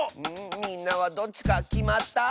みんなはどっちかきまった？